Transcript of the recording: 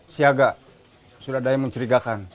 siaga suradaya mensyirigakan